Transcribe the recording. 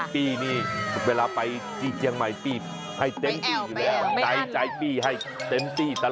ก็มีความรักในชาวเจียงใหม่